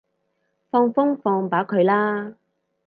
放風放飽佢啦